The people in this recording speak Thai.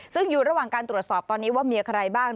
ซึ่งอยู่ระหว่างการตรวจสอบตอนนี้ว่ามีใครบ้าง